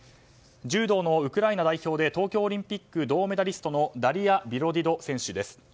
柔道のウクライナ代表で東京オリンピック銅メダリストのダリア・ビロディド選手です。